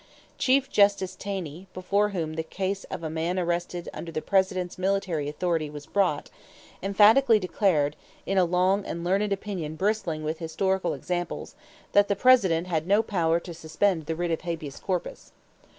Chief Justice Taney, before whom the case of a man arrested under the President's military authority was brought, emphatically declared, in a long and learned opinion bristling with historical examples, that the President had no power to suspend the writ of habeas corpus.